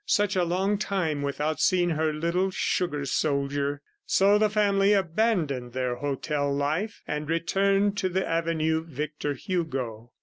Such a long time without seeing her little sugar soldier! ... So the family abandoned their hotel life and returned to the avenue Victor Hugo.